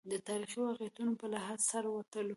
د تاریخي واقعیتونو په لحاظ سره وتلو.